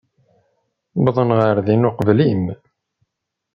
Uwḍen ɣer din uqbel-im.